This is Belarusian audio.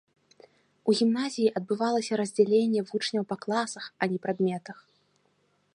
У гімназіі адбывалася раздзяленне вучняў па класах, а не прадметах.